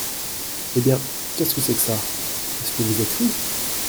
Eh bien, qu’est-ce que c’est que ça ? est-ce que vous êtes fou ?